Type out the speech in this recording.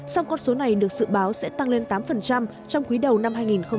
song con số này được dự báo sẽ tăng lên tám trong quý đầu năm hai nghìn hai mươi